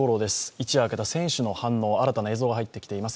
一夜明けた選手の反応、新たな映像が入ってきています。